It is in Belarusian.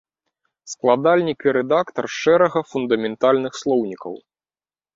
Складальнік і рэдактар шэрага фундаментальных слоўнікаў.